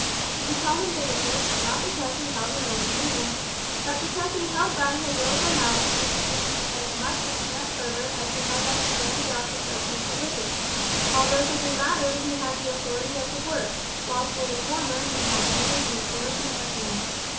We call him bigoted, not because he held his own opinions, but because he held by his little formalities with as much apparent fervour as he held by the grand doctrines of his religion, although for the latter he had the authority of the Word, while for the former he had merely the authority of man.